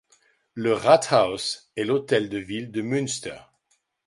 Le Rathaus est l'hôtel de ville de Münster.